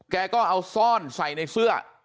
แกก็เอาซ่อนใส่ในเสื้อ